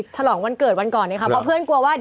ฉลองวันเกิดวันก่อนเนี่ยค่ะเพราะเพื่อนกลัวว่า